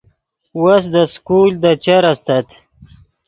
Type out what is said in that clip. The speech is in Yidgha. وس دے سکول دے چر استت